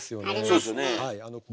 そうですよねえ。